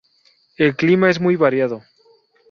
El clima es muy variado.